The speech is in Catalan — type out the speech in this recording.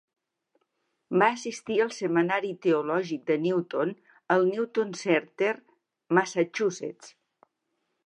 Va assistir al Seminari Teològic de Newton al Newton Center, Massachusetts.